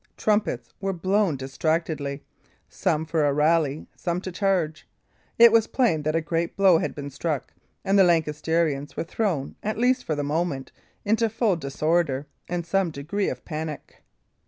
Trumpets were blown distractedly, some for a rally, some to charge. It was plain that a great blow had been struck, and the Lancastrians were thrown, at least for the moment, into full disorder, and some degree of panic.